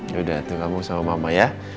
yaudah tuh kamu sama mama ya